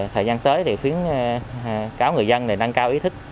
thời gian tới thì khuyến cáo người dân để nâng cao ý thức